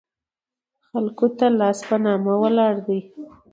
خلکو ته لاس په نامه ولاړ دي.